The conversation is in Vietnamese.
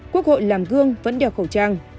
quốc hội làm gương vẫn đeo khẩu trang